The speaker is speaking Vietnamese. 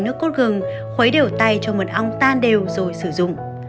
nước cốt gừng khuấy đều tay cho mật ong tan đều rồi sử dụng